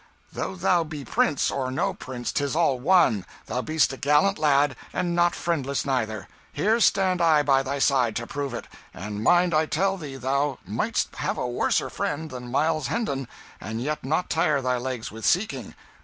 "Though thou be prince or no prince, 'tis all one, thou be'st a gallant lad, and not friendless neither! Here stand I by thy side to prove it; and mind I tell thee thou might'st have a worser friend than Miles Hendon and yet not tire thy legs with seeking.